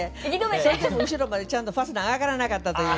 それでも後ろまでちゃんとファスナー上がらなかったという。